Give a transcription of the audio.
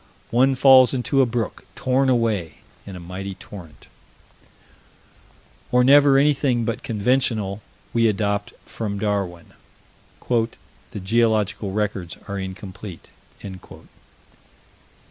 One falls into a brook torn away in a mighty torrent Or never anything but conventional, we adopt from Darwin: "The geological records are incomplete."